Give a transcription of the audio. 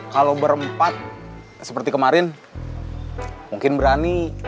kalau berempat seperti kemarin mungkin berani